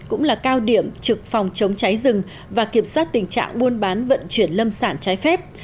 cũng là cao điểm trực phòng chống cháy rừng và kiểm soát tình trạng buôn bán vận chuyển lâm sản trái phép